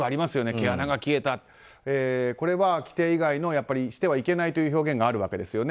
毛穴が消えたなどこれは規定以外のしてはいけないという表現があるわけですよね。